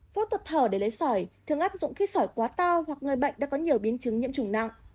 phẫu thuật thở để lấy sỏi thường áp dụng khi sỏi quá to hoặc người bệnh đã có nhiều biến chứng nhiễm trùng nặng